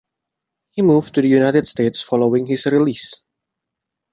He moved to the United States following his release.